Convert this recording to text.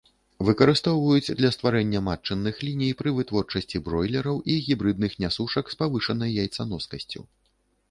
Выкарыстоўваюць для стварэння матчыных ліній пры вытворчасці бройлераў і гібрыдных нясушак з павышанай яйцаноскасцю.